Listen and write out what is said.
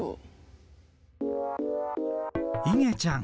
いげちゃん